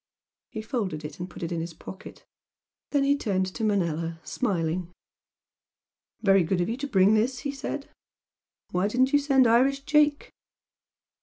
He folded it and put it in his pocket. Then he turned to Manella, smiling. "Very good of you to bring this!" he said "Why didn't you send Irish Jake?"